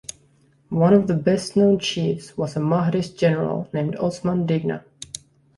One of the best-known chiefs was a Mahdist general named Osman Digna.